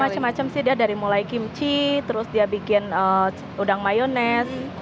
macem macem sih dia dari mulai kimchi terus dia bikin udang mayonese